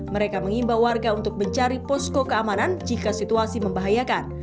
mereka mengimbau warga untuk mencari posko keamanan jika situasi membahayakan